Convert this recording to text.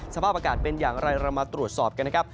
สภาพอากาศเป็นอย่างไรเรามาตรวจสอบกันนะครับ